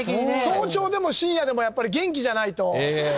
早朝でも深夜でも元気じゃないと。